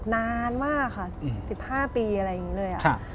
นานมากค่ะ๑๕ปีอะไรอย่างนี้เลย